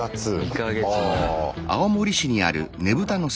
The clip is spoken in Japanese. ２か月前。